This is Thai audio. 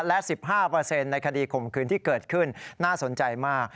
และ๑๕ในคดีข่มขืนที่เกิดขึ้นน่าสนใจมาก